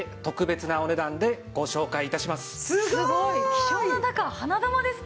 希少な中花珠ですか。